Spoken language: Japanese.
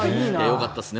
よかったですね